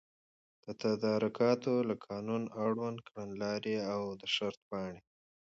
د تدارکاتو له قانون، اړوند کړنلاري او د شرطپاڼي